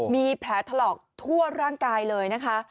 มีแผลถลอกทั่วร่างกายเลยนะคะ